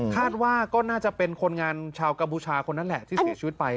คาดว่าก็น่าจะเป็นคนงานชาวกัมพูชาคนนั้นแหละที่เสียชีวิตไป